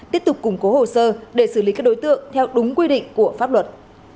tiếp tục củng cố hồ sơ để xử lý các đối tượng theo đúng quy định của pháp luật